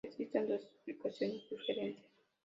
Existen dos explicaciones diferentes.